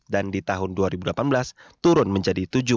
dan di tahun dua ribu delapan belas turun menjadi